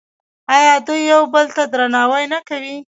آیا دوی یو بل ته درناوی نه کوي؟